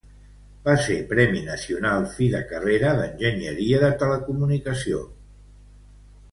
Va ser Premi Nacional Fi de Carrera d'enginyeria de telecomunicació.